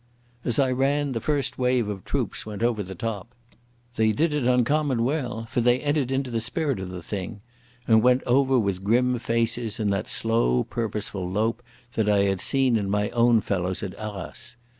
As I ran, the first wave of troops went over the top. They did it uncommon well, for they entered into the spirit of the thing, and went over with grim faces and that slow, purposeful lope that I had seen in my own fellows at Arras.